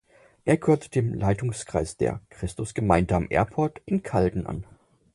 Er gehört dem Leitungskreis der „Christusgemeinde am Airport“ in Calden an.